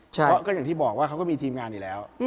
เพราะก็อย่างที่บอกว่าเขาก็มีทีมงานอยู่แล้ว